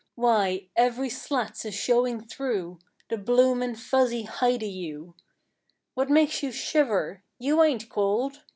Wye, every slat's a showin' through The bloomin' fuzzy hide o' you. What makes you shiver? You ain't cold!